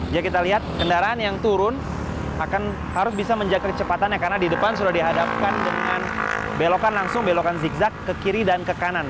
jika kita lihat kendaraan yang turun harus bisa menjaga kecepatannya karena di depan sudah dihadapkan dengan belokan langsung belokan zigzag ke kiri dan ke kanan